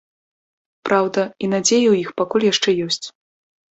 Праўда, і надзея ў іх пакуль яшчэ ёсць.